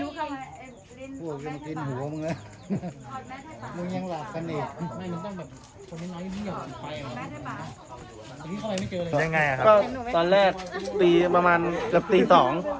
ยังไงครับก็ตอนแรกตีประมาณกับตีสอง